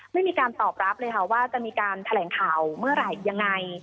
ไม่มีการตอบรับเลยค่ะว่าจะมีการแถลงข่าวเมื่อไหร่ยังไง